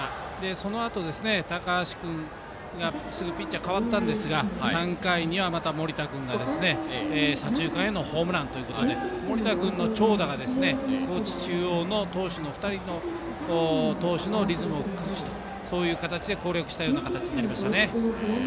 そのあと高橋君にすぐピッチャー代わったんですが３回には、また森田君が左中間へのホームランということで森田君の長打が高知中央の２人の投手のリズムを崩したという形で攻略したような形になりましたね。